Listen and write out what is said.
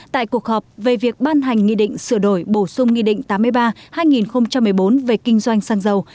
tại cuộc họp về việc ban hành nghị định sửa đổi bổ sung nghị định tám mươi ba hai nghìn một mươi bốn về kinh doanh xăng dầu